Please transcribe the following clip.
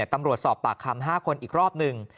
ตำรวจสอบปากคำ๕คนอีกรอบหนึ่ง